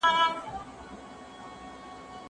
د ژبي په اصولو پوهېدل په املا پوري تړلي دي.